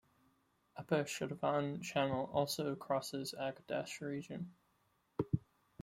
Upper Shirvan Channel also crosses Agdash region.